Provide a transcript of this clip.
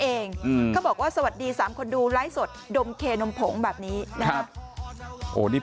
เขาบอกว่าสวัสดีสามคนดูไลฟ์สดดมเคนมผงแบบนี้นะฮะโอ้นี่